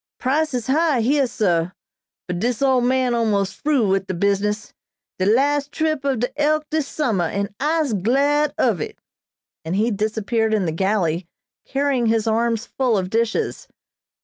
"Prices high heah, sah, but dis old man almos' fru wid de business; de las' trip ob de 'Elk' dis summah, an' I'se glad of it," and he disappeared in the galley carrying his arms full of dishes.